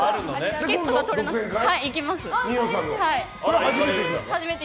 チケットが取れなくて。